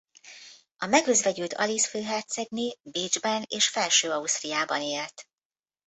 A megözvegyült Aliz főhercegné Bécsben és Felső-Ausztriában élt.